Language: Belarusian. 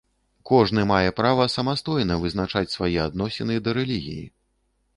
Кожны мае права самастойна вызначаць свае адносіны да рэлігіі.